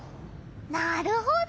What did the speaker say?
なるほど！